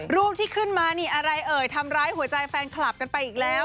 รูปที่ขึ้นมานี่อะไรเอ่ยทำร้ายหัวใจแฟนคลับกันไปอีกแล้ว